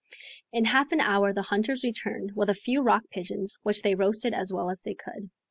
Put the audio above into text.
In half an hour the hunters returned with a few rock pigeons, which they roasted as well as they could.